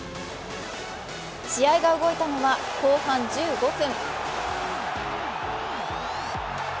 試合が動いたのは後半１５分。